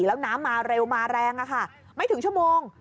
แล้วน้ำมาเร็วมาแรงไม่ถึงชั่วโมง